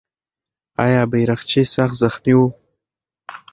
آیا بیرغچی سخت زخمي و؟